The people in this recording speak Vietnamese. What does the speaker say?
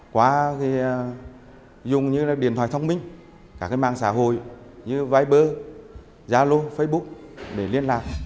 qua dùng điện thoại thông minh mạng xã hội như viber zalo facebook để liên lạc